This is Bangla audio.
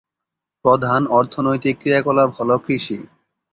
প্রধান অর্থনৈতিক ক্রিয়াকলাপ হল কৃষি।